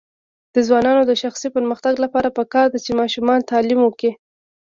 د ځوانانو د شخصي پرمختګ لپاره پکار ده چې ماشومانو تعلیم ورکړي.